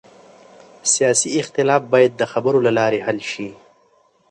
سیاسي اختلاف باید د خبرو له لارې حل شي